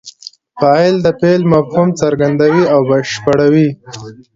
فاعل د فعل مفهوم څرګندوي او بشپړوي.